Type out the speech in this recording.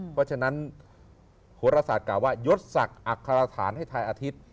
เพราะฉะนั้นโหรศาสตกล่าวว่ายดศักดิ์อัครฐานให้ทายอาทิตย์